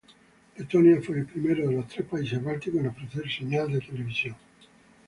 Letonia fue el primero de los tres países bálticos en ofrecer señal de televisión.